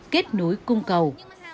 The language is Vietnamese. kết nối cung cầu